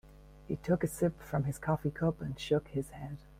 He took a sip from his coffee cup and shook his head.